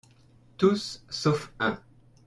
Tous, sauf un.